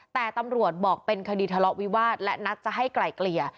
แต่ตำรวจบอกเป็นคดีทะเลาะวิวาสและนัดจะให้ไกลเกลี่ย